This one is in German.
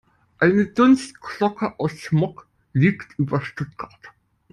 Eine Dunstglocke aus Smog liegt über Stuttgart.